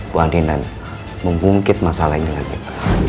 puan rinan memungkit masalah ini lagi pak